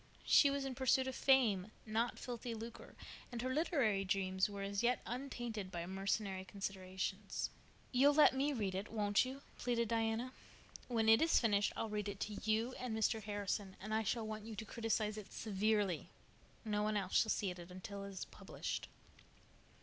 She was in pursuit of fame, not filthy lucre, and her literary dreams were as yet untainted by mercenary considerations. "You'll let me read it, won't you?" pleaded Diana. "When it is finished I'll read it to you and Mr. Harrison, and I shall want you to criticize it severely. No one else shall see it until it is published."